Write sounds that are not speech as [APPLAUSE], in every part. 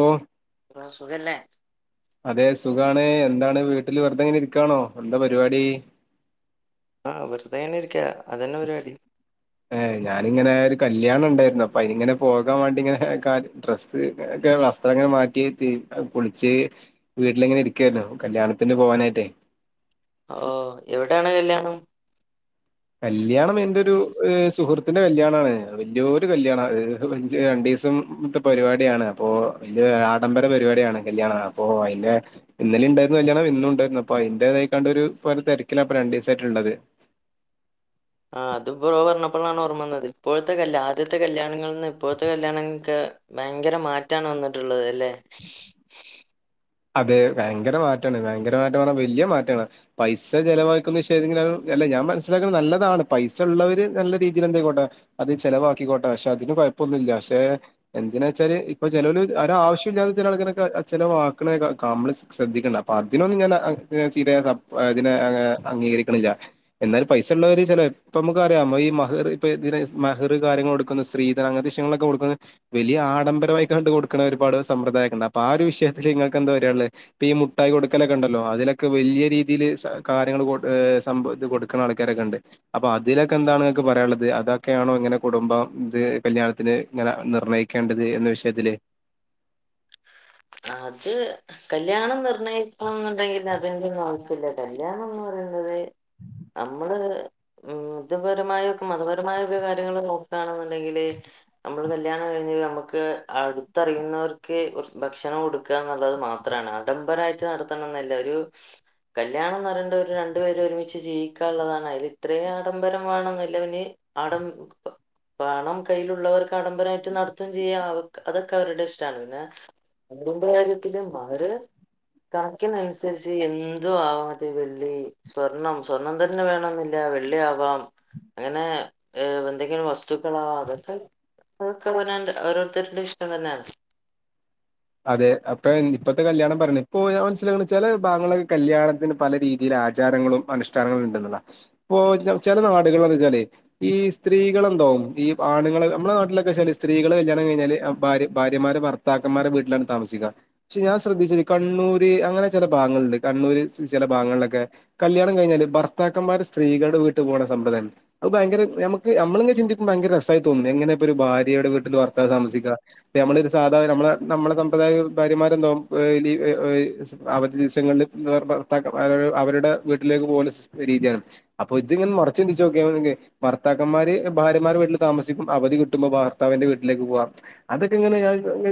ഓല [UNINTELLIGIBLE] [INAUDIBLE] [UNINTELLIGIBLE] സുഖല്ലേ. അതെ സുഖാണ്. എന്താണ് വീട്ടിൽ വെറുതെ ഇങ്ങനെ ഇരിക്കായാണോ. എന്താ പരിപാടി. ആ, വെറുതെ തന്നെ ഇരിക്ക. അതന്നെ പരിപാടി. ഏ, ഞാനങ്ങനെ ഒരു കല്യാണം ഉണ്ടായിരുന്നു. അപ്പോ ആയിനിങ്ങനെ പോകാൻ വേണ്ടി ഇങ്ങനെഡ്രസ് ഒക്കെ വസ്ത്രങ്ങൾ മാറ്റിയിട്ട് കുളിച്ച് വീട്ടിലിങ്ങനെ ഇരിക്കയിരുന്നു കല്യാണത്തിന് പോകാനായിട്ടേ ഓ, എവിടെയാണ് കല്യാണം? കല്യാണം എന്റെ ഒരു സുഹൃത്തിന്റെ കല്യാണണ് ആ, വലിയൊ ഒരു കല്യാണം. രണ്ടു ദിവസം രണ്ടീസത്തെ പരിപാടിയാണ്. അപ്പോ ആഡംബര പരിപാടിയാണ്. കല്യാണ ണ് അപ്പോഅതിന്റെ ഇന്നലെയും ഉണ്ടായിരുന്നു കല്യാണം. ഇന്നും ഉണ്ടായിരുന്നു. അപ്പോ അതിന്റേതായിക്കാണ്ട് ഒരു തിരക്കില അപ്പോ രണ്ട് ദിവസആയിട്ടുള്ളത്. ആ, അത് ബ്റോ പറഞ്ഞപ്പോഴാണ് ഓർമ്മ വന്നത്. ഇപ്പോഴത്തെആദ്യത്തെ കല്യാണങ്ങളിൽ നിന്ന് ഇപ്പോഴത്തെ കല്യാണങ്ങൾക്ക് ഭയങ്കര മാറ്റാണ് വന്നിട്ടുള്ളത് അല്ലെ. അതെ ഭയങ്കര മാറ്റമാണ്. ഭയങ്കര മാറ്റം പറഞ്ഞാ വലിയ മാറ്റമാണ്. പൈസ ചിലവാക്കുന്ന വിഷയത്തിൽ അല്ല ഞാൻ മനസ്സിലാക്കുന്നത് നല്ലതാണ്. പൈസ ഉള്ളവര് നല്ല രീതിയിൽ എന്തക്കോട്ടെ അത് ചെലവാക്കിക്കോട്ടെ, പക്ഷേ അതിന് കുഴപ്പൊന്നുമില്ല പക്ഷേ എന്തിനാ വെച്ചാല് ഇപ്പ ചിലര് ഒരു ആവശ്യവും ഇല്ലാതെ എന്തിനാ ചിലവ നമ്മൾ ശ്രദ്ധിക്കണ്ടെ അപ്പോ അതിനൊന്നും ഞാൻ [UNINTELLIGIBLE] അംഗീകരിക്കണില്ല. എന്നാലും പൈസ ഉള്ളവര് ചില ഇപ്പോ നമുക്ക് അറിയാം. ഈ മെഹർ കാര്യങ്ങള് കൊടുക്കുന്ന സ്ത്രീ അങ്ങനെത്തെ വിഷയ ങ്ങളൊക്കെ കൊടുക്കുന്നത് വലിയ ആഡംബരമായി കണ്ട് കൊടുക്കുന്ന ഒരുപാട് സമ്പ്രദായം ഒക്കെ ഉണ്ട്. അപ്പോ ആ, ഒരു വിഷയം നിങ്ങൾ ക്കെന്താ പറയാനുള്ളത്. ഇപ്പോ ഈ മുട്ടായി കൊടുക്കലൊക്കെ ഉണ്ടല്ലോ അതിലൊക്കെ വലിയ രീതിയിൽ കാര്യങ്ങൾ സംഭവകൊടുക്ക കൊടുക്കണ ആൾാരൊക്ക ഉണ്ട്. അപ്പോ അതിലൊക്കെ എന്താണ് ഇങ്ങക്ക് പറയാനുള്ളത് അതൊക്കെയാണോ ഇങ്ങനെ കുടുംബം കല്യാണത്തിന് ഇങ്ങനെ നിർണ്ണയിക്ക വക്കേണ്ടത് എന്ന വിഷയത്തില്. അത്. കല്യാണം നിർണ്ണയിക്കണം എന്നുണ്ടെങ്കിൽ അതിന്റെ ഒന്നും ആവശ്യമില്ല. കല്യാണം എന്നുള്ളത് നമ്മൾ ഉം. മതപരമായക്കെ മതപരമായൊക്കെ കാര്യങ്ങളൾ നോക്കുകയാണെന്നുണ്ടെങ്കില് നമ്മൾ കല്യാണം കഴിഞ്ഞ നമുക്ക് അടുത്തറിയുന്നവർക്കെ ഭക്ഷണം കൊടുക്കാ എന്നുള്ളത് മാത്രാണ്. ആഡംബരായിട്ട് നടത്തണംന്ന്ല്ല. ഒരു കല്യാണം ന്ന് പറയണ്ട് ഒരു രണ്ടു പേര് ഒരുമിച്ച് ജീവിക്കാള്ളതാണ്. അതിൽ ഇത്രയും ആഡംബരം വേണംന്നില്ല. ഞ് ആഡം പ പണം കയ്യിലുള്ളവർക്ക് ആഡംബരായിട്ട് നടത്തും ചെയ്യാ. അവക് അതൊക്കെ അവരുടെ ഇഷ്ടാണ്. പിന്നെ മഹറിൻ്റെ കാര്യത്തിലും അവര് കണക്കിനനുസരിച്ച് എന്തു ആവാ. അത് വെള്ളി സ്വർണം സ്വർണം തന്നെ വേണംന്നില്ല വെള്ളിയാവാം. അങ്ങനെ ഏഹ് എന്തെങ്കിലും വസ്തുക്കളാവാ. അതൊക്കെ അതൊക്കവനാൻ്റെ ഓരോരുത്തരുടെ ഇഷ്ടം തന്നാണ്. അതെ. അപ്പ ഞാൻ ഇപ്പത്തെ കല്യാണം പറിണ്. ഇപ്പൊ ഞാൻ മൻസ്സിലായോ ഇങ്ങള് ചെല ഭാഗങ്ങളൊക്കെ കല്യാണത്തിന് പല രീതിയിൽ ആചാരങ്ങളും അനുഷ്ഠാനങ്ങൾ ഉണ്ട് ന്ന്ള്ളാ. ഇപ്പൊ ചില നാടുകൾ എന്താച്ചാലേ ഈ സ്ത്രീകളെന്താവും ഈ ആണുങ്ങൾ നമ്മുടെ നാട്ടിലൊക്കെ വെച്ചാല് സ്ത്രീകള് കല്യാണം കഴിഞ്ഞാല് ഭാര്യ ഭാര്യമാര് ഭർ ത്താക്കന്മാരെ വീട്ടിലാണ് താമസിക്കാ. പക്ഷെ ഞാൻ ശ്രദ്ധിച്ചത് കണ്ണൂര് അങ്ങനെ ചെല ഭാഗങ്ങള്ണ്ട്. കണ്ണൂര് ചെല ഭാഗങ്ങളിലൊക്കെ കല്യാണം കഴിഞ്ഞാല് ഭർത്താക്കന്മാര് സ്ത്രീകൾടെ വീട്ട് പോണ സമ്പ്രദായണ്ട്. അത് ഭയങ്കര നമുക്ക് നമ്മള്ങ്ങനെ ചിന്തിക്കുമ്പോ ഭയങ്കര രസായി തോന്നും. എങ്ങനെ ഇപ്പൊ ഒരു ഭാര്യയുടെ വീട്ടില് ഭർത്താവ് താസിക്കാ. ഇപ്പ നമ്മളൊരു സാധാ നമ്മളെ നമ്മളെ സമ്പ്രദായകം ഭാര്യമാരെന്താവും ഏഹ് ലി എഹ് എഹ് സ് അവധി ദിവസങ്ങൾല് ഭർ ഭർ ത്താക്കമാര് അവരുടെ വീട്ടിലേക്ക് പോവല് സിസ് രീതിയാണ് ക അപ്പൊ ഇതിങ്ങനെ മറിച്ച് ചിന്തിച്ചോക്ക്യാണെങ്കി ഭർത്താക്കന്മാര് ഭാര്യമാരെ വീട്ടിൽ താമസിക്കും. അവധി കിട്ടുമ്പം ഭാർത്താവിന്റെ വീട്ടിലേക്ക് പോവാം. അതൊക്കെ ങ്ങനെ ഞാ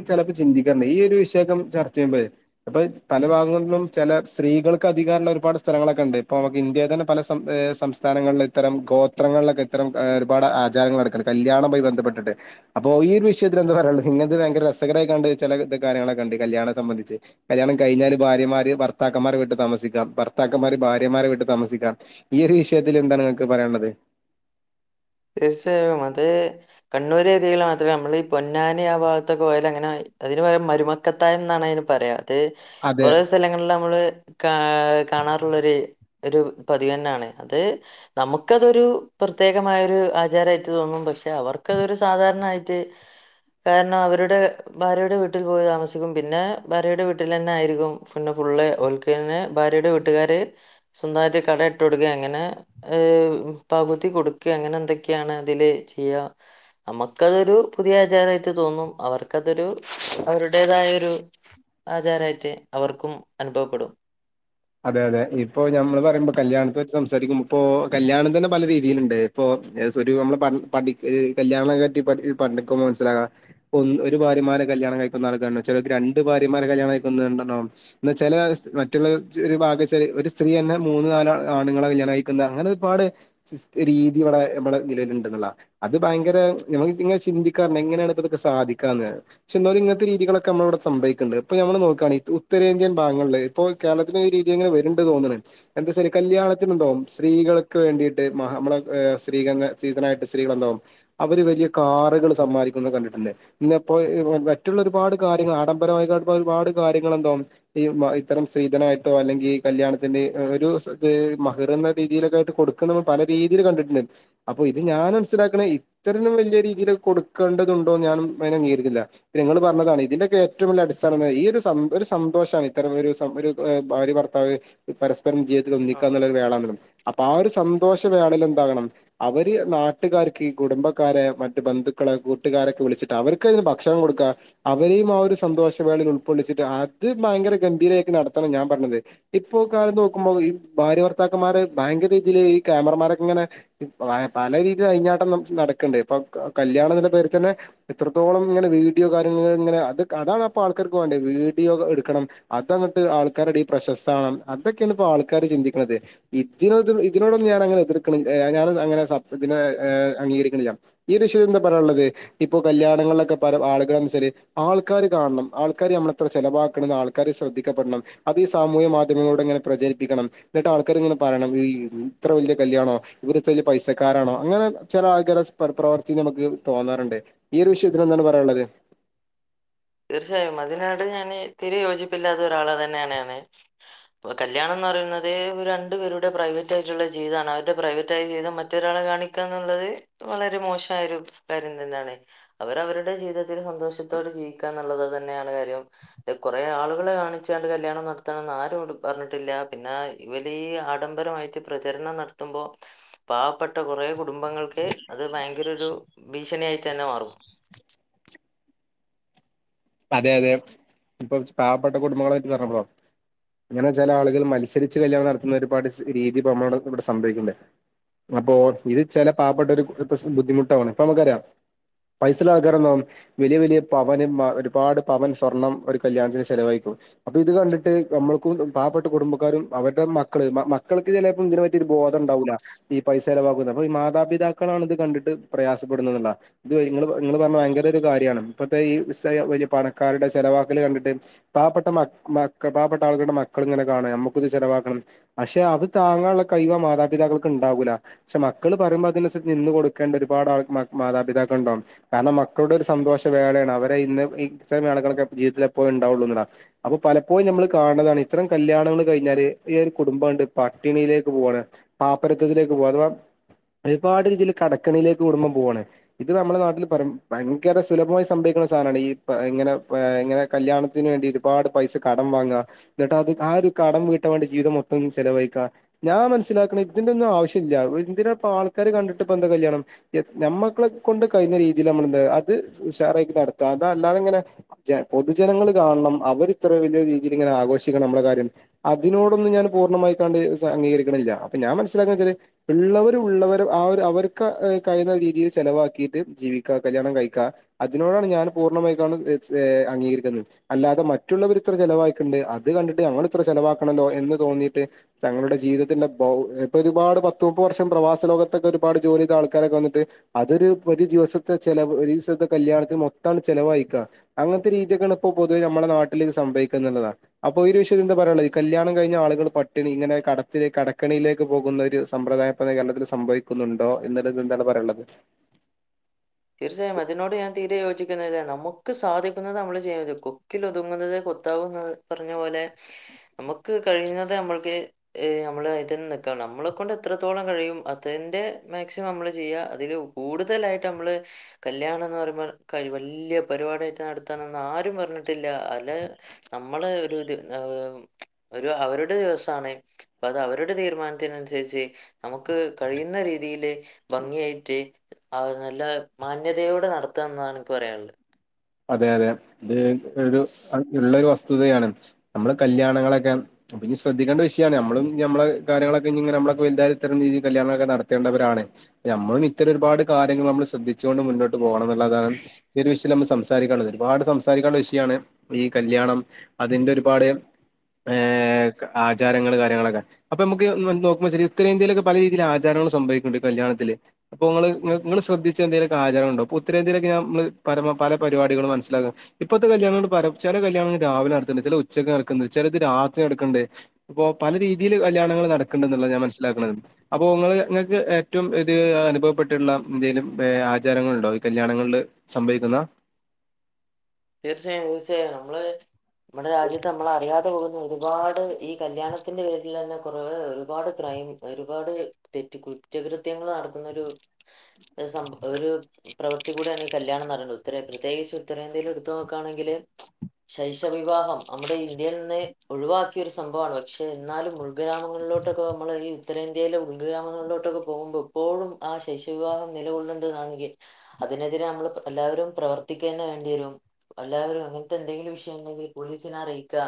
ചെലേപ്പ ചിന്തിക്കാർണ്ട് ഈ ഒരു വിഷയൊക്കം ചർച്ച ചെയ്യുമ്പേ അപ്പ യി പല ഭാഗങ്ങളിലും ചെല സ്ത്രീകൾക്ക് അധികാരള്ള ഒരുപാട് സ്ഥലങ്ങളൊക്കെണ്ട്. ഇപ്പൊ നമുക്ക് ഇന്ത്യേതന്നെ പല സം സംസ്ഥാനങ്ങളിൽ ഇത്തരം ഗോത്രങ്ങളിലൊക്കെ ഇത്തരം ഒരുപാട് ആചാരങ്ങൾ നടക്ക്ണ്ട്. കല്യാണമായി ബന്ധപ്പെട്ടിട്ട്. അപ്പൊ ഈയൊരു വിഷയത്തിൽ എന്താ പറയാള്ളത്? ഇങ്ങൻത്തെ ഭയങ്കര രസകരായികാണ്ട് ചെല ത് കാര്യങ്ങളൊക്കെണ്ട് കല്യാണം സംബന്ധിച്ച്. കല്യാണം കഴിഞ്ഞാല് ഭാര്യമാര് ഭർത്താക്കന്മാരെ വീട്ട് താമസിക്കാ. ഭർത്താക്കന്മാര് ഭാര്യമാരെ വീട്ട് താമസിക്കാം. ഈ ഒരു വിഷയത്തിൽ എന്താണ് ഇങ്ങക്ക് പറയാൻള്ളത്? തീർച്ചയായും അത് കണ്ണൂർ ഏരിയേല് മാത്രല്ല. നമ്മൾ ഈ പൊന്നാനി ആ ഭാഗത്തൊക്കെ പോയാല് അങ്ങനായി അതിന് പറയാ മരുമക്കത്തായം ന്നാണ് അയ്ന് പറയാ. അത് അതെ കൊറേ സലങ്ങൾല് നമ്മള്, കാ കാണാറുള്ളൊരു ഒരു പതിവന്നാണ്. അത്, നമുക്കതൊരു പ്രത്യേകമായൊ രു ആചാരായിട്ട് തോന്നും. പക്ഷെ അവർക്കതൊരു സാധാരണായിട്ട് കാരണം അവരുടെ. ഭാര്യയുടെ വീട്ടിൽ പോയി താമസിക്കും. പിന്നെ ഭാര്യയുടെ വീട്ടിലെന്നെ ആയിരിക്കും പിന്നെ ഫുള്ള് ഓൽക്. പിന്നെ ഭാര്യയുടെ വീട്ടുകാര്, സ്വന്തായിട്ട് കട ഇട്ടൊടുക്കേ അങ്ങനെ ഏഹ് പകുതി കൊടുക് കേ അങ്ങനെന്തൊക്കെയാണ് അതില് ചെയ്യാ. നമുക്കതൊരു പുതിയ ആചാരായിട്ട് തോന്നും. അവർക്കതൊരു അവരുടേതായൊരു ആചാരായിട്ട് അവർക്കും അനുഭവപ്പെടൂ. അതെ അതെ. ഇപ്പോ ഞമ്മള് പറയുമ്പോ കല്യാണത്തെ പറ്റി സംസാരിക്കുമ്പോ പ്പോ കല്യാണം തന്നെ പല രീതിയില്ണ്ട്. ഇപ്പൊ ഏസ് ഒരു നമ്മള് പഠ് പഠി കല്യാണം കാര്‌യത്തി പഠി പണ്ടിക്കുമ്പോ മൻസ്സിലാകാ. ഇപ്പൊന്ന് ഒരു ഭാര്യമാരെ കല്യാണം കഴിക്കുന്ന ആൾക്കാരുണ്ടാവും ചെലോർക് രണ്ട് ഭാര്യമാരെ കല്യാണം കഴിക്കുന്നുണ്ടണ്ടാവും. ന്നാ ചെലെ മറ്റുള്ളത് ര് ഒരു ഭാഗേച്ചാല് ഒരു സ്ത്രീയെന്നെ മൂന്ന് നാല് ആണുങ്ങളെ കല്യാണം കയിക്കുന്ന അങ്ങനെ ഒരുപാട്. സിസ് രീതി വടെ നമ്മളെ നിലവില്ണ്ട്ന്ന്ള്ളതാ. അത് ഭയങ്കര ഞമക്ക് ങ്ങനെ ചിന്തിക്കാറ്ണ്ട് എങ്ങനേണ് പ്പ തൊക്കെ സാധിക്കാന്ന്. പക്ഷെ ന്നാലും ഇങ്ങൻത്തെ രീതികളൊക്കെ നമ്മളെവിടെ സംഭവിക്ക്ണ്ട്. പ്പൊ ഞമ്മൾ നോക്കാണ്. ഈ ഉത്തരേന്ത്യൻ ഭാഗങ്ങളില്, ഇപ്പോ കേരള ല് രീതിങ്ങനെ വര്ണ്ട് തോന്ന്ണ്. എന്താ സിരി കല്യാണത്തിനുണ്ടാവും സ്രീകൾക്ക് വേണ്ടിട്ട് മഹ നമ്മള ഏഹ് സ്വീകംഗ സീസണായിട്ട് സ്ത്രീകളെന്താവും. അവര് വലിയ കാറുകൾ സമ്മാനിക്കുന്നെ കണ്ടിട്ടില്ലേ? ഇന്നപ്പോന്താ മറ്റുള്ള ഒരുപാട് കാര്യങ്ങള് ആഡംബരമായിക്കാട് ഒരുപാട് കാര്യങ്ങളെന്താവും. ഈ മ ഇത്തരം സ്രീധനായി ട്ടോ അല്ലെങ്കി കല്യാണത്തിന്റെ ഒരുസത്തെ മഹറെന്ന രീതിയിലൊക്കെയിട്ട് കൊടുക്കുന്നമ്മ പല രീതിൽ കണ്ടിട്ടുണ്ട്. അപ്പൊ ഇത് ഞാനസ്സിലാക്കണ ഇത്രന്നും വല്യ രീതില് കൊടുക്കേണ്ടതുണ്ടോ ഞാനും അയിനംഗീകരിക്കില്ല. നിങ്ങള് പറഞ്ഞതാണ് ഇതിന്റെക്കെ ഏറ്റവു വലിയ അടിസ്ഥാനം ഈ ഒരു സം ഒരു സന്തോഷാണ് ഇത്തരം ഒരു സം ഒരു ഏഹ് ഭര്യഭർത്താവ് പരസ്പരം ജീവിതത്തില് ഒന്നിക്കാ ആഹ് നല്ലൊരു വേളാ നിലും. അപ്പൊ ആ ഒരു സന്തോഷവേളിൽ എന്താകണം? അവര് നാട്ടുകാർക്ക് കുടുംബക്കാരെ മറ്റ് ബന്ധുക്കളെ കൂട്ടുകാരൊക്കെ വിളിച്ചിട്ട് അവർക്ക് അതിന് ഭക്ഷണം കൊടുക്ക അവരെയും ആ ഒരു സന്തോഷവേളയിൽ ഉൾക്കൊള്ളിച്ചിട്ട് അത് ഭയങ്കര ഗംഭീരായിക്ക് നടത്തണം ഞാൻ. പറഞ്ഞത് ഇപ്പോ കാലം നോക്കുമ്പോ ഈ ഭാര്യഭർത്താക്കന്മാരെ ഭയങ്കരീതിയില് ഈ ക്യാമറമാരങ്ങനെ ഇ പല രീതി അയിഞ്ഞാട്ടം നടക്കണ്ട് ഇപ്പൊ കല്യാണത്തിന്റെ പേര് തന്നെ. എത്രത്തോളം ങ്ങനെ വീഡിയോ കാര്യങ്ങള് ഇങ്ങനെ അത് അതാണ് അപ്പ ആൾക്കാർക്ക് വേണ്ടത് വീഡിയോ എടുക്കണം. അതങ്ങട്ട് ആൾക്കാരെടീ പ്രശസ്താവാനം അതൊക്കേണ് പ്പോ ആൾക്കാര് ചിന്തിക്കണത് ഇതിനോ ഇതിനോടൊന്നും ഞാനങ്ങനെ എതിർക്കണ ഞാന അങ്ങനെ സപ് ഇതിനെ ഏഹ് അംഗീകരിക്കനില്ല ഈ വിഷയ എന്താ പറയാള്ളത്. ഇപ്പൊ കല്യാണങ്ങളിലൊക്കെ പല ആളുകളൾനുസരി ആൾക്കാര് കാണണം. ആൾക്കാര് നമ്മളെത്ര ചെലവാക്കണന്നാൾക്കാര് ശ്രദ്ധിക്കപ്പെടണം. അത് ഈ സാമൂഹ്യ മാധ്യമങ്ങലൂടങ്ങനെ പ്രചരിപ്പിക്കണം. ന്നിട്ട് ആൾക്കാരിങ്ങനെ പറയണം ഈ ഇത്ര വല്യ കല്യാണോ ഇവിടുത്തെല്യ പൈസക്കാരാണോ അങ്ങനെ ചില ആൾക്കാര സ് പ്രവർത്തി നമുക്ക് തോന്നാറുണ്ട്. ഈ ഒരു വിഷയത്തിലെന്താണ് പറയാള്ളത്. തീർച്ചയായും അതിനാട് ഞാന് തീരെ യോജിപ്പില്ലാത്തൊരാള്ന്നേണാണാ ണ് കല്യാണന്ന്റയുന്നത് ഒരു രണ്ടു പേരുടെ പ്രൈവറ്റായിട്ടുള്ള ജീവിതാണ്. അവരുടെ പ്രൈവറ്റായ ജീവിതം മറ്റൊരാളെ കാണി ക്കാന്നുള്ളത് വളരെ മോശയൊരു കാര്യം തന്നെണ്. അവരവരുടെ ജീവിതത്തില് സന്തോഷത്തോടെ ജീവിക്കാ. ന്നുള്ളത് തന്നെയാണ് കാര്യം കൊറെ ആളുകളെ കാണിച്ചാണ്ട് കല്യാണം നടത്തണംന്ന് ആരോടും പറഞ്ഞിട്ടില്ല പിന്നെ ഇവലീ ആഡംബരായിട്ട് പ്രചരണം നടത്തുമ്പോ പാവപ്പെട്ട കുറെ കുടുംബങ്ങൾക്ക് അത് ഭയങ്കര ഒരു ഭീഷണിയായി തന്നെ മാറും അതെ അതെ ഇപ്പൊ പാവപ്പെട്ട കുടുംബങ്ങളായിട്ട് പറഞ്ഞപ്പൊ ഇങ്ങനെ ചെല ആളുകള് മത്സരിച്ച് കല്യാണം നടത്തുന്ന ഒരുപാട് രീതി ഇപ്പമ്മോടെ ഇവിടെ സംഭവിക്ക്ണ്ട് അപ്പൊ ഇത് ചെല പാവപ്പെട്ട ഒരു പ്രസ് ബുദ്ധിമുട്ടാവാണ് ഇപ്പ അമ്മക്കറിയാ പൈസള്ള ആൾക്കാര്ണ്ടാവും വലിയ വലിയ പവന് മാ ഒര് പാട് പവൻ സ്വർണ്ണം ഒരു കല്യാണത്തിന് ചെലവഴിക്കും പ്പ ഇത് കണ്ടിട്ട് നമ്മൾക്കും പാവപ്പെട്ട കുടുംബക്കാരും അവരുടെ മക്കള് മക്കൾക്ക് ചെലേപ്പം ഇതിനെ റ്റി ഒരു ബോധണ്ടാവൂല്ല ഈ പൈസെലവാക്കുന്ന അപ്പ ഇ മാതാപിതാക്കളാണ് ഇത് കണ്ടിട്ട് പ്രയാസപ്പെടുന്നെന്നുള്ള ഇതോയ് ങ്ങള് ങ്ങള് പറഞ്ഞ വയങ്കര ഒരു കാര്യാണ് ഇപ്പത്തെ ഈ ഇസ്സയ വലിയ പണക്കാരുടെ ചെലവാക്കല് കണ്ടിട്ട് പാവപ്പെട്ട മ മക്ക പാവപ്പെട്ട ആളുകളടെ മക്കളിങ്ങനെ കാണ ഞമ്മക്കും ഇത് ചെലവാക്കണംന്ന് പഷെ അത് താങ്ങാനുള്ള കഴിവ് ആ മാതാപിതാക്കൾക്ക്ണ്ടാവൂല ഷെ മക്കള് പറയുമ്പ അതിനസ്ച്ച് നിന്ന് കൊടുക്കേണ്ട ഒരുപാടാള മ മാതാപിതാക്കള്ണ്ടാവും കാരണം മക്കളുടെ ഒരു സന്തോഷം വേറെണ് അവരെ ഇന്ന് ഇത്രയും ആളുകളൊക്കെ ജീവിതത്തി എപ്പോഴും ണ്ടാവുള്ളൂന്ന് ള്ള അപ്പൊ പലപ്പോയും നമ്മള് കാണ്ന്നതാണ് ഇത്രം കല്യാണങ്ങള് കയിഞ്ഞാല് ഈ ഒരു കുടുമ്പാണ്ട് പട്ടിണിയിലേക്ക് പോവാണ് പാപ്പരത്തത്തിലേക്ക് പോവാ അഥവാ ഒരുപാട് രീതില് കടക്കണിയിലേക്ക് കുടുബം പോവാണ് ഇത് നമ്മളെ നാട്ടില് പറിം ഭയങ്കര സുലഭമായി സംഭവിക്കുന്ന സാനാണ് ഈ ഇങ്ങനെ വെ ങ്ങനെ കല്യാണത്തിന് വേണ്ടി ഒരുപാട് പൈസ കടം വാങ്ങ എന്നിട്ട് അത് ആ ഒരു കടം വീട്ടാൻ വേണ്ടി ജീവിതം മൊത്തം ചെലവഴിക്കുക ഞാൻ മനസ്സിലാക്കണ് ഇതിന്റെ ഒന്നും ആവശ്യമില്ല എന്തിനാ ഇപ്പം ആൾക്കാര് കണ്ടിട്ട് ഇപ്പൊ എന്താ കല്യാണം എത് നമ്മക്കളെ കൊണ്ട് കഴിയുന്ന രീതിയില് നമ്മളെന്താ അത് ഉഷാറായിട്ട് നടത്തുക അത് അല്ലാതെങ്ങനെ ജെ പൊതുജനങ്ങള് കാണണം അവരിത്ര വലിയ രീതിയിൽ ഇങ്ങനെ ആഘോഷിക്കണം നമ്മളെ കാര്യം അതിനോടൊന്നും ഞാൻ പൂർണ്ണമായിക്കാണ്ട് സ അംഗീകരിക്കണില്ല അപ്പ ഞാൻ മനസ്സിലാക്കണെ വച്ചാല് ഉള്ളവര് ഉള്ളവര് ആ ഒരു അവർക്ക് കഴിയുന്ന രീതിയില് ചെലവാക്കിയിട്ട് ജീവിക്കുക കല്യാണം കഴിക്കുക അതിനോടാണ് ഞാൻ പൂർണ്ണമായി കാണ്ടും എസ് ഏ അംഗീകരിക്കുന്നത് അല്ലാതെ മറ്റുള്ളവര് ഇത്ര ചെലവാക്കണ്ട് അത് കണ്ടിട്ട് ഞങ്ങള് ഇത്ര ചെലവാക്കണോല്ലോ എന്ന് തോന്നീട്ട് തങ്ങളുടെ ജീവിതത്തിന്റെ പൗ ഇപ്പ ഒരുപാട് പത്ത് മുപ്പത് വർഷം പ്രവാസ ലോകത്തൊക്കെ ഒരുപാട് ജോലി ചെയ്ത ആൾക്കാരൊക്കെ വന്നിട്ട് അതൊരു ഒരു ദിവസത്തെ ചെലവ് ഒരു ദിവസത്തെ കല്യാണത്തിന് മൊത്തം അങ്ങട്ട് ചെലവായിക്കുക അങ്ങത്തെ രീതിയൊക്കെയാണ് ഇപ്പോ പൊതുവെ നമ്മളെ നാട്ടില് സംഭവിക്കും എന്നുള്ളതാണ് അപ്പൊ ഈ ഒരു വിഷയത്തിൽ എന്താ പറയാനുള്ളത് ഈ കല്യാണം കഴിഞ്ഞ ആളുകൾ പട്ടിണി ഇങ്ങനെ കടത്തി കടക്കെണിയിലേക്ക് പോകുന്ന ഒരു സമ്പ്രദായ മൊക്കെ കേരളത്തിൽ സംഭവിക്കുന്നുണ്ടോ എന്നുള്ള എന്താണ് പറയാനുള്ളത് തീർച്ചയായും അതിനോട് ഞാൻ തീരെ യോജിക്കുന്നില്ല നമുക്ക് സാധിക്കുന്നത് നമ്മള് ചെയ്യാൻ പറ്റൂ കൊക്കിലൊതുങ്ങുന്നതെ കൊത്താവൂന്ന് പറഞ്ഞ പോലെ നമുക്ക് കഴിയുന്നതെ നമ്മൾക്ക് ഏയ് നമ്മള് അതിൽ തന്നെ നിക്കയാണ് നമ്മളെക്കൊണ്ട് എത്രത്തോളം കഴിയും അതിന്റെ മാക്സിമം നമ്മള് ചെയ്യാ അതില് കൂടുതലായിട്ട് നമ്മള് കല്യാണം എന്ന് പറയുമ്പോ വല്ല്യ പരിപാടി ആയിട്ട് നടത്താനൊന്നും ആരും പറഞ്ഞിട്ടില്ല അല്ലേ നമ്മള് ഒരു ദി ഏഹ് ഒരു അവരുടെ ദിവസാണ് ഇപ്പ അത് അവരുടെ തീരുമാനത്തിന് അനുസരിച്ച് നമുക്ക് കഴിയുന്ന രീതിയില് ഭംഗിയായിട്ട് അത് നല്ല മാന്യതയോടെ നടത്തുക എന്നതാണ് എനിക്ക് പറയാനുള്ളത് അതെ അതെ ഈ ഇത് ഒരു ഉള്ളൊരു വസ്തുതയാണ് നമ്മള് കല്യാണങ്ങളൊക്കെ പിന്നെ ശ്രദ്ധിക്കേണ്ട വിഷയാണ് നമ്മളും ഞമ്മളെ കാര്യങ്ങളൊക്കെ ഇനി ഇങ്ങനെ നമ്മളൊക്കെ വലുതായാലും ഇത്തരം രീതിൽ കല്യാണങ്ങളൊക്കെ നടത്തേണ്ടവരാണ് നമ്മളും ഇത്തരം ഒരുപാട് കാര്യങ്ങള് നമ്മള് ശ്രദ്ധിച്ചോണ്ട് മുന്നോട്ട് പോകണം എന്നുള്ളതാണ് ഈ ഒരു വിഷൽ ഞമ്മള് സം സംസാരിക്കാള്ളത് ഒരുപാട് സാരിക്കാനുള്ളത് ഒരുപാട് വിഷയമാണ് ഈ കല്യാണം അതിന്റെ ഒരുപാട് ഏഹ്‌ ആചാരങ്ങള് കാര്യങ്ങളൊക്കെ അപ്പൊ നമുക്ക് നോക്കുമ്പ ശരി ഉത്തരേന്ത്യയിലൊക്കെ പല രീതിയില് ആചാരങ്ങളും സംഭവിക്കുന്നുണ്ട് കല്യാണത്തില് അപ്പൊ ഇങ്ങള് ങ്ങ ഇങ്ങള് ശ്രദ്ധിച്ച എന്തേലുമൊക്ക ആചാരങ്ങളുണ്ടോ ഇപ്പോ ഉത്തരേന്ത്യയിലൊക്കെ ആ ങ്ങള് പരമ പല പരിപാടികള് മനസ്സിലാകും ഇപ്പത്തെ കല്യാണങ്ങള് പറെ ചെല കല്യാണങ്ങള് രാവിലെ നടത്തണ്ട് ചെല ഉച്ചക്ക് നടക്കണ്ട് ചെലത് രാത്രി നടക്കണ്ട് ഇപ്പൊ പല രീതിയില് കല്യാണങ്ങള് നടക്കണ്ടെന്നുള്ള ഞാൻ ഉം. മനസ്സിലാക്കണത് അപ്പൊ ഇങ്ങള് ഇങ്ങക്ക് ഏറ്റവും ഒരു അനുഭവപ്പെട്ടിട്ടുള്ള എന്തേലും ആചാരങ്ങളുണ്ടോ ഈ കല്യാണങ്ങളില് സംഭവിക്കുന്ന തീർച്ചയായും തീർച്ചയായും നമ്മള് നമ്മടെ രാജ്യത്ത് നമ്മള് അറിയാതെ പോകുന്ന ഒരുപാട് ഈ കല്യാണ ത്തിന്റെ പേരിലന്നെ കുറേ ഒരുപാട് ക്രൈം ഒരുപാട് തെറ്റ് കുറ്റകൃത്യങ്ങള് നടക്കുന്നൊരു ഒരു സം ഒരു പ്രവൃത്തി കൂടിയാണ് ഈ കല്യാണം എന്ന് പറയേണത് ഉത്തരേ പ്രത്യേകിച്ച് ഉത്തരേന്ത്യയില് ഒത്ത് നോക്കാണെങ്കില് ശൈശവിവാഹം നമ്മുടെ ഇന്ത്യയിൽ നിന്ന് ഒഴിവാക്കിയൊരു സംഭവാണ് പക്ഷെ എന്നാലും ഉൾ ഉൾഗ്രാമങ്ങളിലോട്ടൊക്കെ നമ്മള് ഈ ഉത്തരേന്ത്യയിലെ ഉൾഗ്രാമങ്ങളിലോട്ടൊക്കെ പോകുമ്പോ എപ്പോഴും ആഹ് ശൈശവവിവാഹം നിലകൊള്ളണ്ടതാണെങ്കിൽ അതിനെതിരെ നമ്മള് എല്ലാവരും പ്രവർത്തിക്ക തന്നെ വേണ്ടി വരും. എല്ലാവരും അങ്ങനത്തെ എന്തെങ്കിലും വിഷയം ഉണ്ടെങ്കിൽ പോലീസിനെ അറിയിക്കുക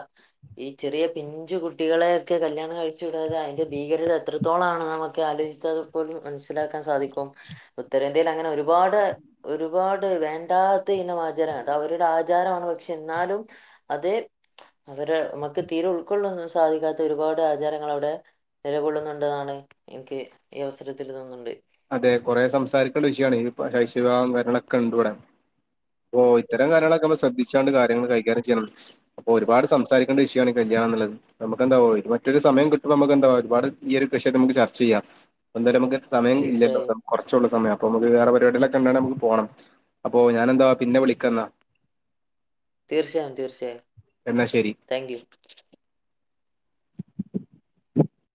ഈ ചെറിയ പിഞ്ചു കുട്ടികളെയൊക്കെ കല്യാണം കഴിച്ചു വിടാതെ അതിന്റെ ഭീകരത എത്രത്തോളാണ് നമുക്ക് ആലോചി [UNINTELLIGIBLE] മനസ്സിലാക്കാൻ സാധിക്കും. ഉത്തരേന്ത്യയിലങ്ങനെ ഒരുപാട് ഒരുപാട് വേണ്ടാത്ത ഇനം ആചാര അതവരുടെ ആചാരമാണ്. പക്ഷെ ഇന്നാലും അതേ- അവര് മ്മക്ക് തീരെ ഉൾക്കൊള്ളും സാധിക്കാത്ത ഒരുപാട് ആചാരങ്ങൾ അവ്ടെ നിലകൊള്ളുന്നുണ്ട്ന്നാണ് ഇൻക്ക് ഈ അവസരത്തില് തോന്നുണ്ട്. അതെ കൊറെ സംസാരിക്കണ്ടവിഷയമാണ്, ഈ ശൈശവിവാഹം കാര്യങ്ങളൊക്കെ ണ്ട്വ്ടെ. ഓഹ്! ഇത്തരം കാര്യങ്ങളൊക്കെ മ്മള് ശ്രദ്ധിച്ചാണ്ട് കാര്യങ്ങള് കൈകാര്യം ചെയ്യണം, അപ്പൊരുപാട് സംസാരിക്ക ണ്ടഷയാണ്, കല്യാണംന്ന്ള്ളത്. നമ്മക്കെന്താവോ, മറ്റൊരു സമയം കിട്ടുമ്പോ നമ്മക്കെന്താ ഒരുപാട് ഈ ഒരു വെഷയംമ്മക്ക് ചർച്ചെയ്യാ. ഒന്നരമ്മക്ക്‌ സമയം ഇല്ലല്ലോ! തീർച്ചയായും. കുറച്ചൊള്ളു സമയം അപ്പമ്മക്ക് വേറെ പരിപാടിയാളൊക്കെണ്ടാണെങ്കി പോണം അപ്പോ ഞാനെന്താ പിന്നെ വിളിക്കന്നാ. തീർച്ചയായും! തീർച്ചയായും! എന്നാശെരി. Thank U.